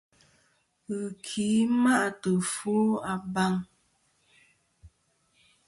Ghɨki ma'tɨ ɨfwo a baŋ.